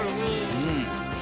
うん。